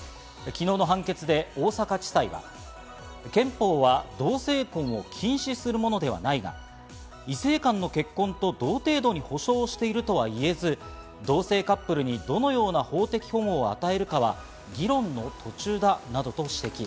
昨日の判決で大阪地裁は、憲法は同性婚を禁止するものではないが、異性間の結婚と同程度に保証しているとは言えず、同性カップルにどのような法的保護を与えるかは議論の途中だなどと指摘。